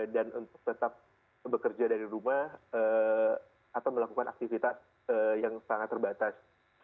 dan untuk tetap bekerja dari rumah atau melakukan aktivitas yang sangat terbatas